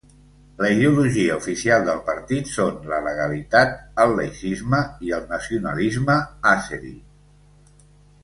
La ideologia oficial del partit són la legalitat, el laïcisme i el nacionalisme àzeri.